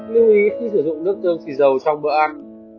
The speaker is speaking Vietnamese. lưu ý khi sử dụng nước dơm xịt dầu trong bữa ăn